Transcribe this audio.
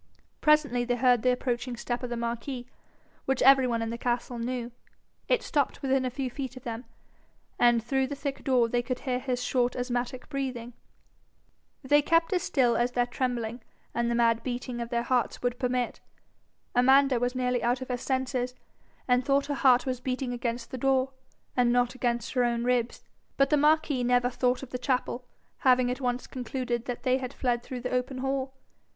Presently they heard the approaching step of the marquis, which every one in the castle knew. It stopped within a few feet of them, and through the thick door they could hear his short asthmatic breathing. They kept as still as their trembling, and the mad beating of their hearts, would permit. Amanda was nearly out of her senses, and thought her heart was beating against the door, and not against her own ribs. But the marquis never thought of the chapel, having at once concluded that they had fled through the open hall.